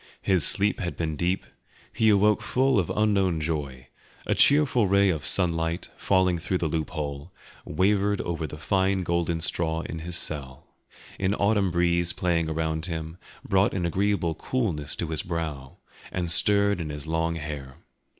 His sleep had been deep; he awoke full of unknown joy; a cheerful ray of sunlight, falling through the loophole, wavered over the fine golden straw in his cell; an autumn breeze playing around him, brought an agreeable coolness to his brow, and stirred in his long hair.